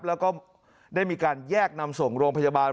แล้วก็ได้มีการแยกนำส่งโรงพยาบาล